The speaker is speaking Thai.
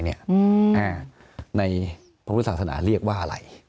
ในภาพฤทธิสาสนาเรียกว่าอะไร